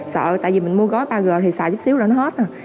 sợ tại vì mình mua gói ba g thì xài chút xíu là nó hết à